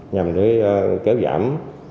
nhằm để kéo giảm